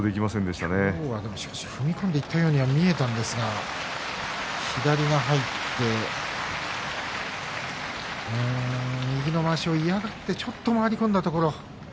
しかし今日は踏み込んでいったように見えたんですが左が入って右のまわしを嫌がって回り込んだところを。